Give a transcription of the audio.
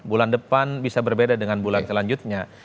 bulan depan bisa berbeda dengan bulan selanjutnya